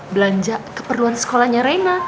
belanja keperluan sekolahnya rena